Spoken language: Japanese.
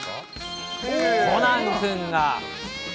コナン君が。